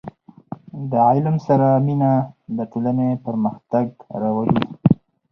• د علم سره مینه، د ټولنې پرمختګ راولي.